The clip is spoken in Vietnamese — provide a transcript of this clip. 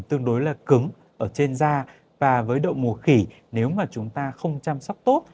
tương đối là cứng ở trên da và với độ mù khỉ nếu mà chúng ta không chăm sóc tốt